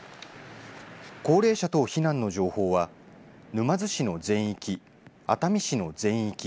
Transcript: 高齢者等避難の情報は沼津市の全域、熱海市の全域。